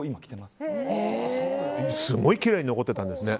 すごいきれいに残ってたんですね。